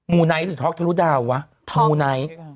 มูไนท์หรือทอลกทะลุดาววะ